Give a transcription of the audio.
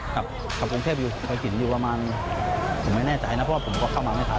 กลับกรุงเทพอยู่พอสินอยู่ประมาณผมไม่แน่ใจนะเพราะว่าผมก็เข้ามาไม่ทัน